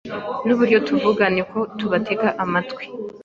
Nuburyo tuvuga niko tubatega amatwi